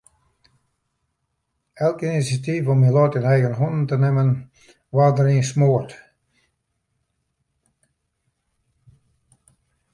Elk inisjatyf om myn lot yn eigen hannen te nimmen waard deryn smoard.